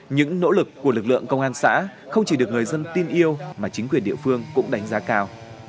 những nỗ lực của lực lượng công an xã không chỉ được người dân tin yêu mà chính quyền địa phương cũng đánh giá cao